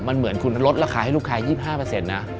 มันเหมือนคุณลดราคาให้ลูกค้า๒๕นะ